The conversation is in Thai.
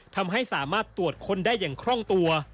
ทำให้สามารถตรวจค้นได้อย่างคล่องตัว